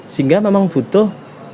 sehingga memang butuh